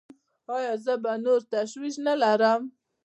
ایا زه به نور تشویش نلرم؟